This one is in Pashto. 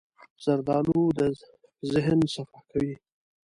زردالو د ذهن صفا کوي.